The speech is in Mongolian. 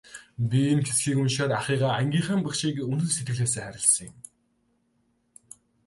Би энэ хэсгийг уншаад ахыгаа, ангийнхаа багшийг үнэн сэтгэлээсээ хайрласан юм.